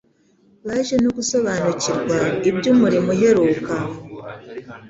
baje no gusobanukirwa iby'umurimo uheruka